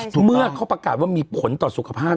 เมื่อเขาประกาศว่ามีผลต่อสุขภาพ